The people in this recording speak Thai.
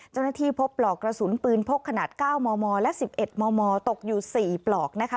เจ้าหน้าที่พบปลอกกระสุนปืนพกขนาด๙มมและ๑๑มมตกอยู่๔ปลอกนะคะ